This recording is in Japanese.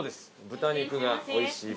豚肉がおいしい。